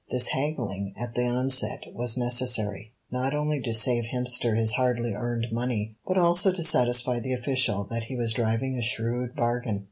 This haggling at the outset was necessary, not only to save Hemster his hardly earned money, but also to satisfy the official that he was driving a shrewd bargain.